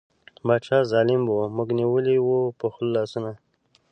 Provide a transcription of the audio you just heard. باچا ظالیم وو موږ نیولي وو په خوله لاسونه